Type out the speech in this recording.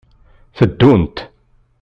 Tteddunt.